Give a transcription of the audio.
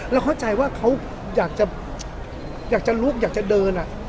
แล้วเข้าใจว่าเขาอยากจะอยากจะลุกอยากจะเดินอ่ะ